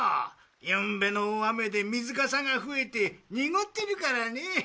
ゆんべの大雨で水かさが増えて濁ってるからね。